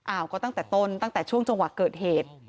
ก็ตั้งแต่ต้นตั้งแต่ช่วงจังหวะเกิดเหตุ